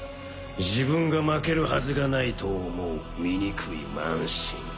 自分が負けるはずがないと思う醜い慢心。